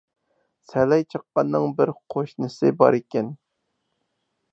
سەلەي چاققاننىڭ بىر قوشنىسى بار ئىكەن.